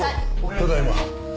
ただいま。